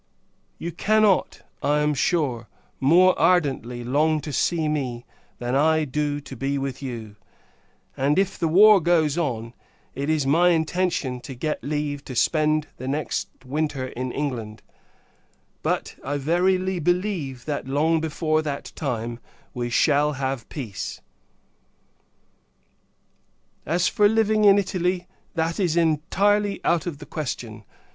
You cannot, I am sure, more ardently long to see me, than I do to be with you; and, if the war goes on, it is my intention to get leave to spend the next winter in England: but I verily believe that, long before that time, we shall have peace. As for living in Italy, that is entirely out of the question.